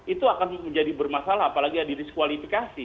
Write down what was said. itu akan menjadi bermasalah apalagi yang di riskualifikasi